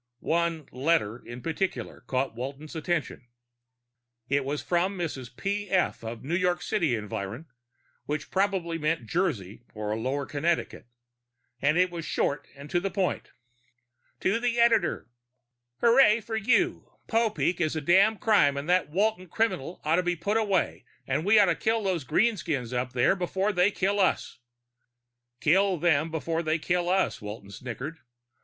One "letter" in particular caught Walton's attention. It was from a Mrs. P.F. of New York City Environ, which probably meant Jersey or lower Connecticut, and it was short and to the point: To the Editor _Horray for you. Popeek is a damned crime and that Walton criminal ought to be put away and we ought to kill those greenskins up there before they kill us. We gotta have room to live._ Kill them before they kill us. Walton snickered.